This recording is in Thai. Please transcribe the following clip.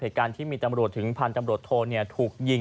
เหตุการณ์ที่มีตำรวจถึงพันธุ์ตำรวจโทถูกยิง